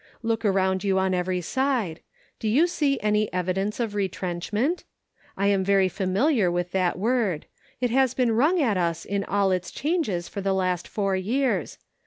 Look around you on every side. Do you see any evidence of retrenchment ? I am very familiar with that word ; it has been rung at us in all its changes for the last four years.